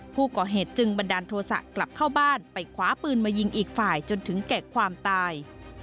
ผู้ก่อเหตุจึงบันดาลโทษะกลับเข้าบ้านไปคว้าปืนมายิงอีกฝ่ายจนถึงแก่ความตาย